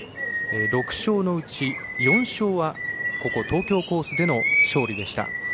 ６勝のうち４勝はここ、東京コースでの勝利でした。